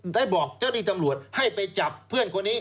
ได้บอกเจ้าที่ตำรวจให้ไปจับเพื่อนคนนี้